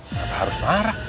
nggak harus marah